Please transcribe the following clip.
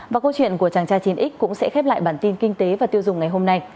và câu chuyện của chàng tra chín x cũng sẽ khép lại bản tin kinh tế và tiêu dùng ngày hôm nay